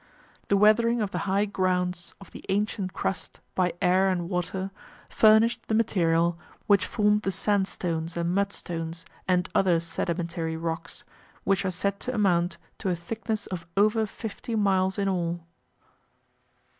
The weathering of the high grounds of the ancient crust by air and water furnished the material which formed the sandstones and mudstones and other sedimentary rocks, which are said to amount to a thickness of over fifty miles in all.